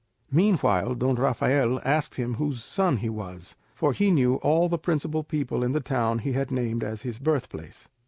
Meanwhile Don Rafael asked him whose son he was, for he knew all the principal people in the town he had named as his birth place.